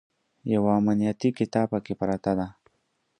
یوه امنیتي قطعه پکې پرته ده.